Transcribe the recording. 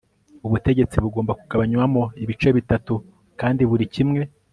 ubutegetsi bugomba kugabanywamo ibice bitatu kandi buri kimwe